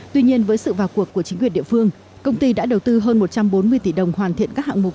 tuy nhiên với sự vào cuộc của chính quyền địa phương công ty đã đầu tư hơn một trăm bốn mươi tỷ đồng hoàn thiện các hạng mục